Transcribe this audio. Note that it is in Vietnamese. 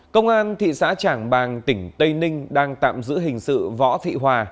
công an tp hcm tỉnh tây ninh đang tạm giữ hình sự võ thị hòa